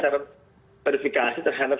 syarat verifikasi terhadap